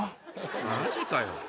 マジかよ。